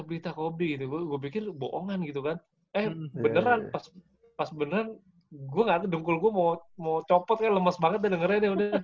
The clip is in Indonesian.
berita berita kobe gitu gue pikir boongan gitu kan eh beneran pas beneran gue gak ada dengkul gue mau copot kan lemes banget udah dengerin ya udah